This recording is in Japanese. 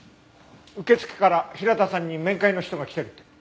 受付から平田さんに面会の人が来てるって。